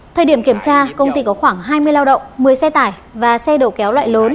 thời điểm kiểm tra công ty có khoảng hai mươi lao động một mươi xe tải và xe đầu kéo loại lớn